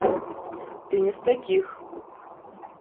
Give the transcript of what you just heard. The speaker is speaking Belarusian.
Ты не з такіх!